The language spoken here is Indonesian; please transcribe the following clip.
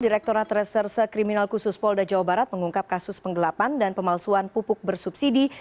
direkturat reserse kriminal khusus polda jawa barat mengungkap kasus penggelapan dan pemalsuan pupuk bersubsidi